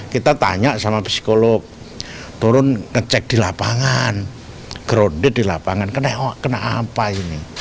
kita tanya sama psikolog turun ngecek di lapangan gerondet di lapangan kena apa ini